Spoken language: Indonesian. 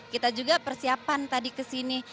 kita juga persiapan tadi kesini